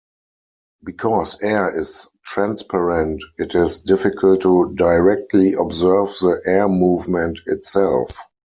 Because air is transparent it is difficult to directly observe the air movement itself.